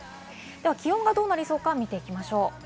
気温がどうなりそうか見ていきましょう。